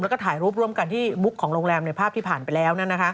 แล้วก็ถ่ายรูปร่วมกันที่มุกของโรงแรมในภาพที่ผ่านไปแล้ว